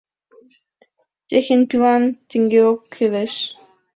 Техень пилан тенгеок келеш.